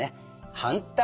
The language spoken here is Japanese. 反対。